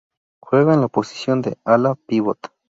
Juega en la posición de Ala-pivot.